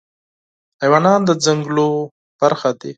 حیوانات د ځنګلونو برخه دي.